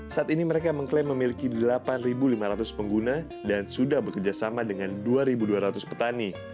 saat ini mereka mengklaim memiliki delapan lima ratus pengguna dan sudah bekerjasama dengan dua dua ratus petani